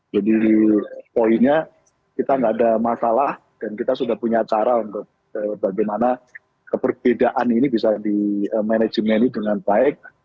jadi poinnya kita gak ada masalah dan kita sudah punya cara bagaimana keberbedaan ini bisa dimanajemeni dengan baik